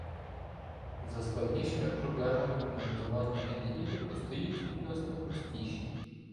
За складнішими проблемами коментування "Енеїди" постають відносно простіші.